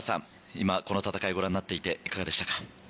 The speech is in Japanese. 今この戦いご覧になっていていかがでしたか？